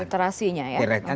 yang ketiga harus ada jaminan aman